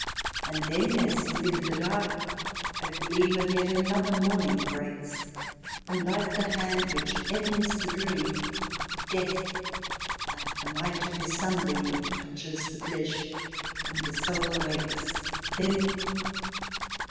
And then, as mid the dark, a gleam Of yet another morning breaks, And like the hand which ends the dream, Death, like the might of his sunbeam. Touches the flesh and the soul awakes. Then